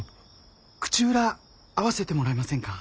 口裏合わせてもらえませんか？